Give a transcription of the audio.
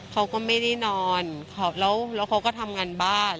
เขาก็ไม่ได้นอนแล้วเขาก็ทำงานบ้าน